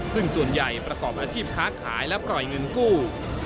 ซึ่งส่วนใหญ่ประกอบอาชีพค้าขายและปล่อยเงินกู้